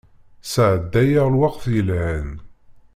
Sɛeddayeɣ lweqt yelhan.